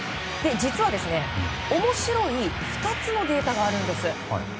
実は、面白い２つのデータがあるんです。